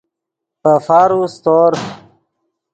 پے فارو سیتور